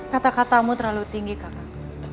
kata katamu terlalu tinggi kakak